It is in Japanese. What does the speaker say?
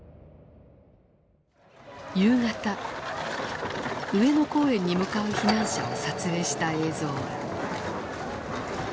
夕方上野公園に向かう避難者を撮影した映像。